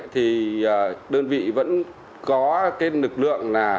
thì đơn vị vẫn có cái lực lượng